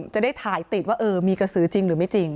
จะได้ถ่ายติดว่าเกิดมีกระสือจริงหรือเปล่า